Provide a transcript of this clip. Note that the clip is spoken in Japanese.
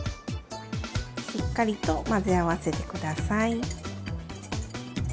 しっかりと混ぜ合わせて下さい。